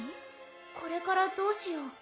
これからどうしよう？